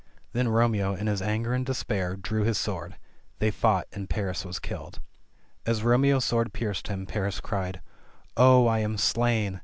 Then Romeo, in his anger and despair, drew his sword. — ^They fought, and Paris was killed. As Romeo's sword pierced him, Paris cried, "Oh, I am slain